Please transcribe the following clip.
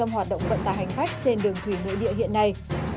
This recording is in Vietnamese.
hành vách trên đường thủy nội địa hiện nay